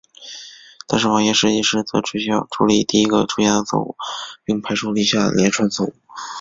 但是网页设计师则只需要处理第一个出现的错误并排除余下连串的错误。